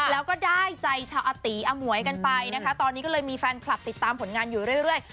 แล้วก็ได้ใจชาวอาตีอมวยกันไปนะคะตอนนี้ก็เลยมีแฟนคลับติดตามผลงานอยู่เรื่อย